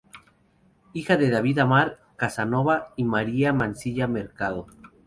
Hija de David Amar Casanova y María Mancilla Mercado.